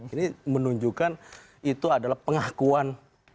ini menunjukkan itu adalah pengakuan terbuka gitu ya